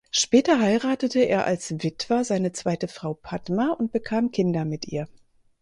Später heiratete er als Witwer seine zweite Frau Padma und bekam Kinder mit ihr.